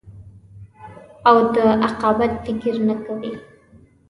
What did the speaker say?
او د عاقبت فکر نه کوې.